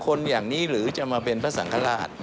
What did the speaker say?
คนอย่างนี้หรือจะมาเป็นพระสังฆราช